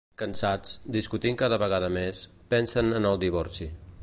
Cansats, discutint cada vegada més, pensen en el divorci.